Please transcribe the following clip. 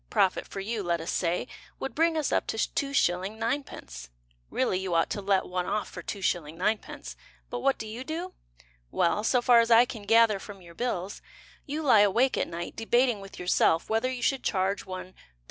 profit for you, let us say, Would bring us up to 2s. 9d. Really you ought to let one off for 2s. 9d., But what do you do? Well, So far as I can gather from your bills, You lie awake at night Debating with yourself Whether you should charge one 3s.